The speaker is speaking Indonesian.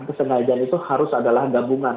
kesengajaan itu harus adalah gabungan